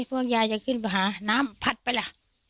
พวกยายจะขึ้นไปหาน้ำพัดไปล่ะ